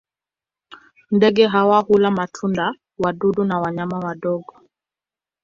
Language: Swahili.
Ndege hawa hula matunda, wadudu na wanyama wadogo.